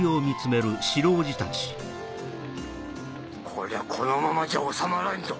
こりゃこのままじゃ収まらんぞ。